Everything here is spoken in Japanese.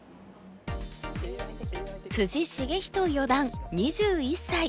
篤仁四段２１歳。